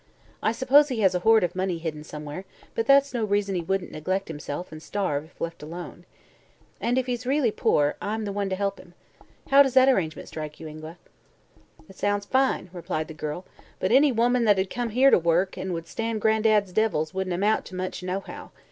I suppose he has a hoard of money hidden somewhere, but that's no reason he wouldn't neglect himself and starve if left alone. And, if he's really poor, I'm the one to help him. How does that arrangement strike you, Ingua?" "It sounds fine," replied the girl, "but any woman that'd come here to work, an' would stan' Gran'dad's devils, wouldn't amount to much, nohow.